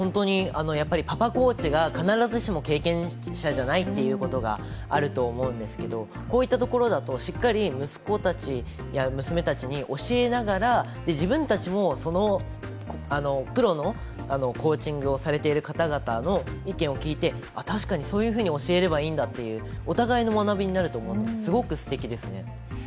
やっぱりパパコーチが必ずしも経験者じゃないということがあると思うんですけどこういったところだと、しっかり息子たちや娘たちに教えながら、自分たちもプロのコーチングをされている方々の意見を聞いて、確かにそういうふうに教えればいいんだというお互いの学びになると思うのですごくすてきですね。